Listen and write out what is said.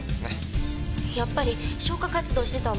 やっぱり消火活動してたんだ。